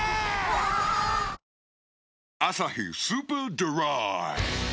わぁ「アサヒスーパードライ」